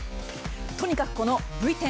とにかくこのＶ１０